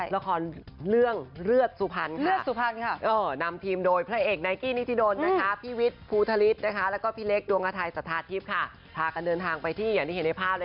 ราคอลเรื่องเลือดสุพรรไนกกี้นิมธิดล